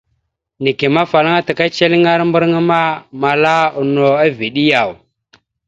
Neke ma, afalaŋa ana taka ceŋelara mbarŋa ma, amala no eveɗe yaw ?